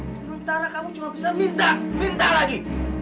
sementara kamu cuma bisa minta minta lagi